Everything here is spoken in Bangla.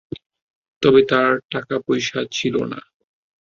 তবে তার তেমন টাকা-পয়সা ছিলো না।